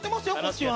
こっちは。